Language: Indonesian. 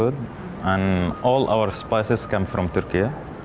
dan semua garam kita datang dari turki